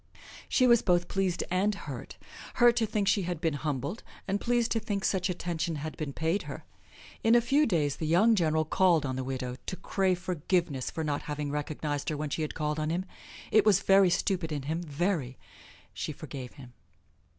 She was both pleased and hurt hurt to think she had been humbled, and pleased to think such attentions had been paid her. In a few days the young general called on the widow to crave forgiveness for not having recognized her when she had called on him. It was very stupid in him, very! She forgave him.